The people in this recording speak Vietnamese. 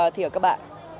thì ở các bạn